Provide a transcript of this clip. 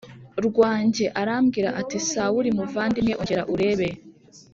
Rwanjye arambwira ati sawuli muvandimwe ongera urebe